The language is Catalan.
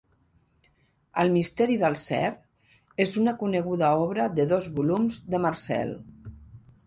"El misteri del ser" és una coneguda obra de dos volums de Marcel.